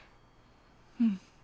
うん。